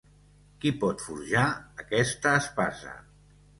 Qui pot forjar aquesta espasa?